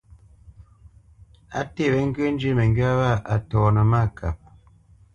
A nté wé ŋgyə̂ njyə́ məŋgywá wâ a tɔnə́ mâkap.